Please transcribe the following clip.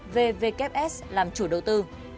vvfs làm chủ đầu tư